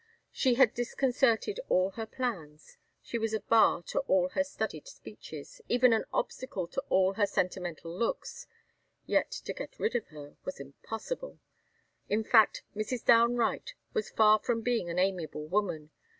She had disconcerted all her plans she was a bar to all her studied speeches even an obstacle to all her sentimental looks; yet to get rid of her was impossible. In fact, Mrs. Downe Wright was far from being an amiable woman.